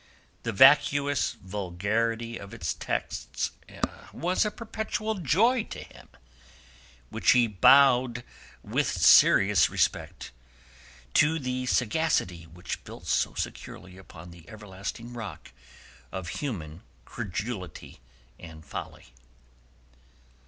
The vacuous vulgarity of its texts was a perpetual joy to him, while he bowed with serious respect to the sagacity which built so securely upon the everlasting rock of human credulity and folly.